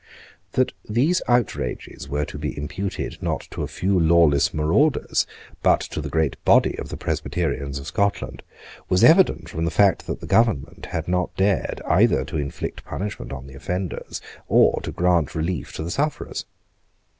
That these outrages were to be imputed, not to a few lawless marauders, but to the great body of the Presbyterians of Scotland, was evident from the fact that the government had not dared either to inflict punishment on the offenders or to grant relief to the sufferers.